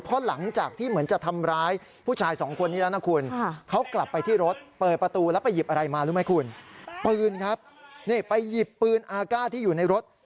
เพราะหลังจากที่เหมือนจะทำร้ายผู้ชายสองคนนี้แล้วนะคุณ